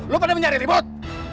lu pada mencari ribut